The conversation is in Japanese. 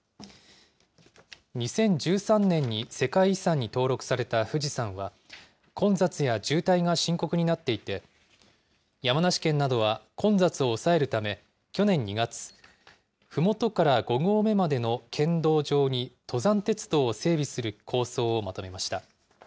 ２０１３年に世界遺産に登録された富士山は、混雑や渋滞が深刻になっていて、山梨県などは混雑を抑えるため、去年２月、ふもとから５合目までの県道上に登山鉄道を整備する構想をまとめました。